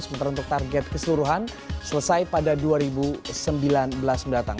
sementara untuk target keseluruhan selesai pada dua ribu sembilan belas mendatang